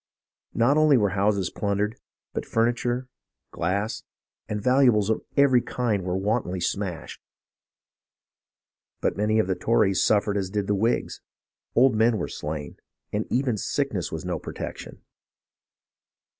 Not only were houses plundered, but furniture, glass, and valu ables of every kind were wantonly smashed. But many of the Tories suffered as did the Whigs. Old men were slain, and even sickness was no protection.